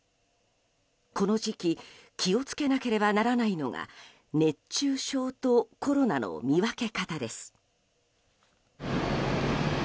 この時期気を付けなければならないのが熱中症とコロナの見分け方です。